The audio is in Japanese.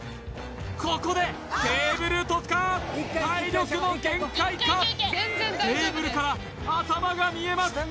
ここでテーブル戸塚体力の限界かテーブルから頭が見えます